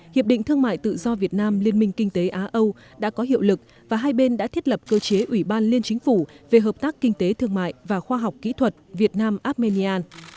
hiệp định thương mại tự do việt nam liên minh kinh tế á âu đã có hiệu lực và hai bên đã thiết lập cơ chế ủy ban liên chính phủ về hợp tác kinh tế thương mại và khoa học kỹ thuật việt nam armenia